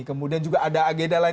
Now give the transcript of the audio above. kemudian juga ada agenda lain